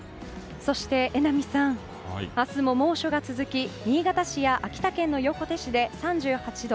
そして、榎並さん明日も猛暑が続き新潟市や秋田県の横手市で３８度。